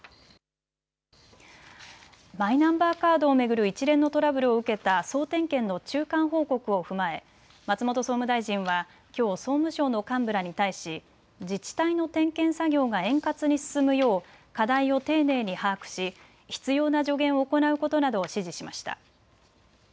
マイナンバーカードを巡る一連のトラブルを受けた総点検の中間報告を踏まえ松本総務大臣はきょう総務省の幹部らに対し自治体の点検作業が円滑に進むよう課題を丁寧に把握し必要な助言を行うことなどを指示しました。